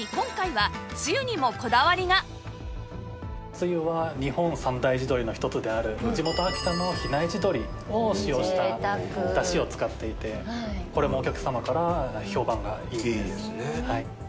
つゆは日本三大地鶏の一つである地元秋田の比内地鶏を使用したダシを使っていてこれもお客様から評判がいいです。